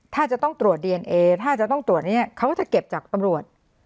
ถ้าจะต้องตรวจดีเอนเอถ้าจะต้องตรวจเนี่ยเขาก็จะเก็บจากตำรวจ